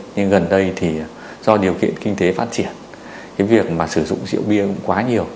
nhưng gần đây thì do điều kiện kinh tế phát triển cái việc mà sử dụng rượu bia cũng quá nhiều